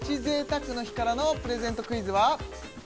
贅沢の日からのプレゼントクイズは？